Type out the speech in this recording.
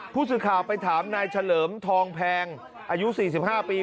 ผู้สื่อข่าวไปถามนายเฉลิมทองแพงอายุ๔๕ปี